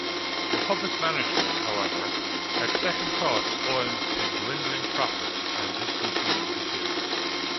Republic management, however, had second thoughts owing to dwindling profits, and discontinued the series.